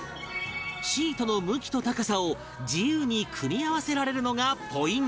シートの向きと高さを自由に組み合わせられるのがポイント